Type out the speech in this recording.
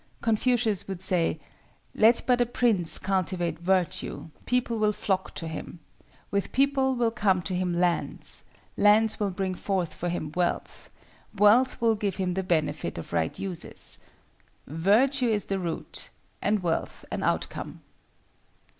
Confucius would say, "Let but a prince cultivate virtue, people will flock to him; with people will come to him lands; lands will bring forth for him wealth; wealth will give him the benefit of right uses. Virtue is the root, and wealth an outcome."